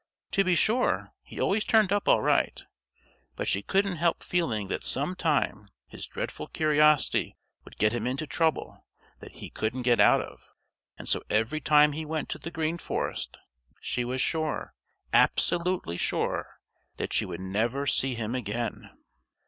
To be sure he always turned up all right, but she couldn't help feeling that sometime his dreadful curiosity would get him into trouble that he couldn't get out of, and so every time he went to the Green Forest, she was sure, absolutely sure, that she would never see him again.